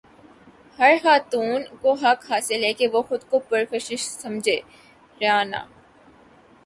ہر خاتون کو حق حاصل ہے کہ وہ خود کو پرکشش سمجھے ریانا